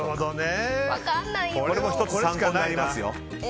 これも１つ参考になりますよ。